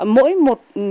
mỗi một ngày